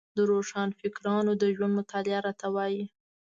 د روښانفکرانو د ژوند مطالعه راته وايي.